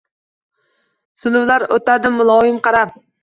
Suluvlar utadi muloyim qarab